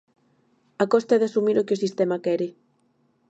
A costa de asumir o que o sistema quere.